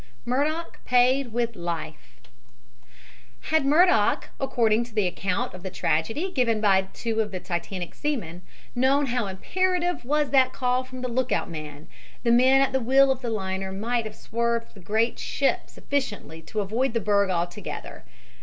MURDOCK PAID WITH LIFE Had Murdock, according to the account of the tragedy given by two of the Titanic's seamen, known how imperative was that call from the lookout man, the men at the wheel of the liner might have swerved the great ship sufficiently to avoid the berg altogether.